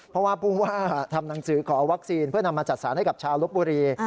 เพราะว่าผู้ว่าทำหนังสือขอวัคซีนเพื่อนำมาจัดสรรให้กับชาวลบบุรี